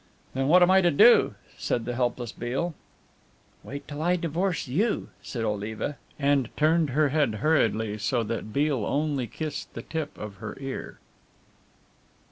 "Then what am I to do?" said the helpless Beale. "Wait till I divorce you," said Oliva, and turned her head hurriedly, so that Beale only kissed the tip of her ear.